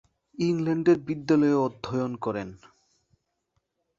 ইংল্যান্ডের বিদ্যালয়ে অধ্যয়ন করেন।